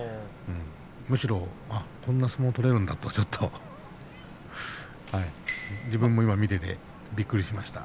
むしろ、こんな相撲を取ることができるんだと自分も今、見ていてびっくりしました。